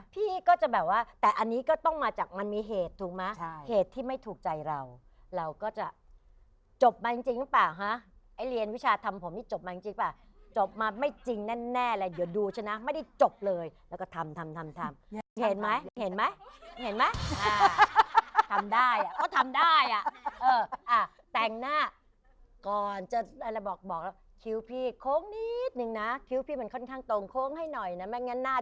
พี่ก็จะแบบว่าแต่อันนี้ก็ต้องมาจากมันมีเหตุถูกมะเหตุที่ไม่ถูกใจเราเราก็จะจบมาจริงจริงหรือเปล่าฮะไอ้เรียนวิชาธรรมผมนี่จบมาจริงจริงหรือเปล่าจบมาไม่จริงแน่แน่เลยเดี๋ยวดูใช่นะไม่ได้จบเลยแล้วก็ทำทำทำทำเห็นไหมเห็นไหมเห็นไหมทำได้อ่ะก็ทำได้อ่ะเอออ่ะแต่งหน้าก่อนจะอะไรบอกบอกแล้วคิ้วพี่โค้งนิด